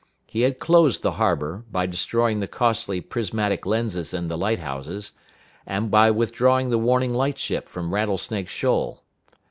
He had closed the harbor, by destroying the costly prismatic lenses in the light houses, and by withdrawing the warning light ship from Rattlesnake Shoal.